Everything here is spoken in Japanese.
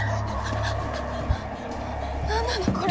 何なのこれ。